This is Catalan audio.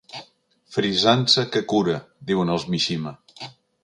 Frisança que cura, diuen els Mishima.